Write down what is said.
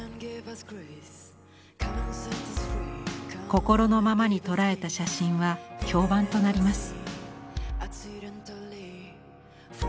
心のままに捉えた写真は評判となります。